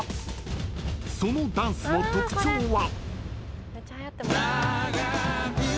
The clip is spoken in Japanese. ［そのダンスの特徴は］